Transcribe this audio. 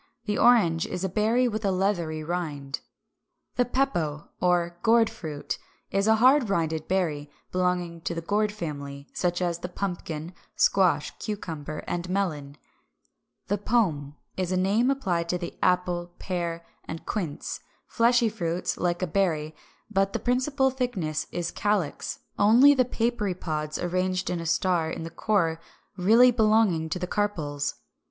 The orange is a berry with a leathery rind. 353. =The Pepo=, or Gourd fruit, is a hard rinded berry, belonging to the Gourd family, such as the pumpkin, squash, cucumber, and melon, Fig. 372, 373. 354. =The Pome= is a name applied to the apple, pear (Fig. 374), and quince; fleshy fruits, like a berry, but the principal thickness is calyx, only the papery pods arranged like a star in the core really belonging to the carpels.